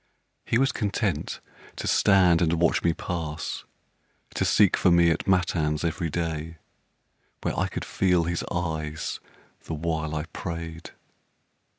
He was content to stand and watch me pass, To seek for me at matins every day, Where I could feel his eyes the while I prayed.